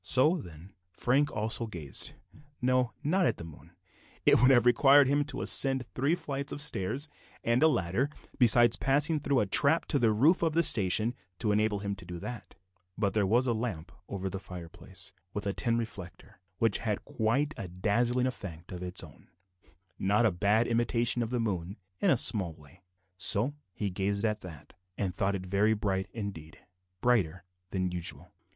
So, then, Frank also gazed no, not at the moon; it would have required him to ascend three flights of stairs, and a ladder, besides passing through a trap to the roof of the station, to enable him to do that; but there was a lamp over the fireplace, with a tin reflector, which had quite a dazzling effect of its own not a bad imitation of the moon in a small way so he gazed at that, and thought it very bright indeed; brighter than usual.